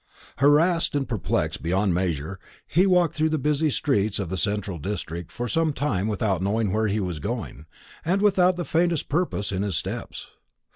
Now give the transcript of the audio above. Harassed and perplexed beyond measure, he walked through the busy streets of that central district for some time without knowing where he was going, and without the faintest purpose in his steps.